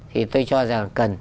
thì tôi cho rằng cần